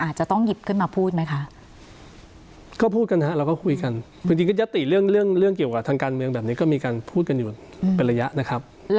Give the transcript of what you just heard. จริงก็ยัตติเรื่องเกี่ยวกับทางการเมืองแบบนี้ก็มีการพูดกันอยู่เป็นระยะนะครับ